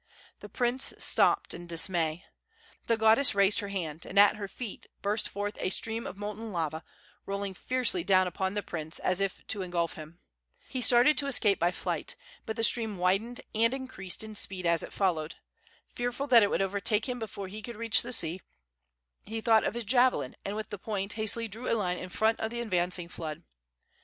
The prince stopped in dismay. The goddess raised her hand, and at her feet burst forth a stream of molten lava, rolling fiercely down upon the prince, as if to engulf him. He started to escape by flight, but the stream widened and increased in speed as it followed. Fearful that it would overtake him before he could reach the sea, he thought of his javelin, and with the point hastily drew a line in front of the advancing flood.